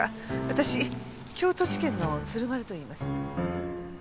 私京都地検の鶴丸といいます。